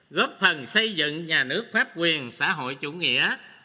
góp phần xây dựng nhà nước pháp quyền xã hội chủ nghĩa